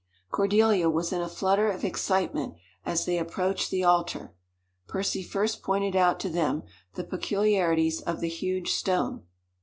Cordelia was in a flutter of excitement as they approached the altar. Percy first pointed out to them the peculiarities of the huge stone.